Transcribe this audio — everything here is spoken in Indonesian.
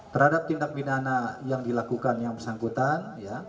terhadap tindak pidana yang dilakukan yang bersangkutan